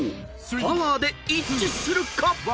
［「パワー！」で一致するか？］